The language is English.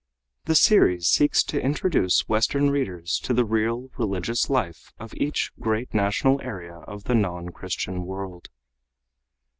The series seeks to introduce Western readers to the real religious life of each great national area of the non Christian world.